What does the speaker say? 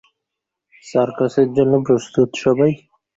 সার্কাসের জন্য প্রস্তুত সবাই?